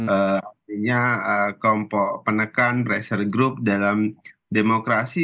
artinya kelompok penekan pressure group dalam demokrasi